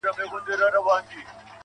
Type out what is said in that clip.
ته مي يو ځلي گلي ياد ته راوړه.